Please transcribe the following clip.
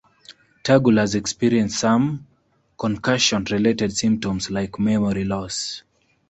Tuggle has experienced some concussion-related symptoms like memory loss.